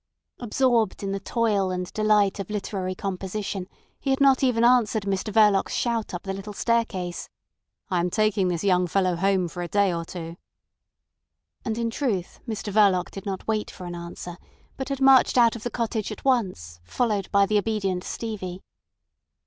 Absorbed in the toil and delight of literary composition, he had not even answered Mr Verloc's shout up the little staircase. "I am taking this young fellow home for a day or two." And, in truth, Mr Verloc did not wait for an answer, but had marched out of the cottage at once, followed by the obedient Stevie.